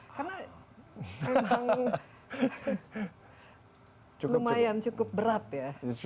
karena emang lumayan cukup berat ya